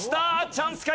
チャンスか？